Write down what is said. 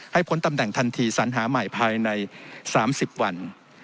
พ้นตำแหน่งทันทีสัญหาใหม่ภายใน๓๐วัน